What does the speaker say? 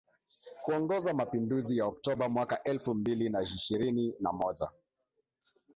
kuongoza mapinduzi ya Oktoba mwaka elfu mbili na ishirini na moja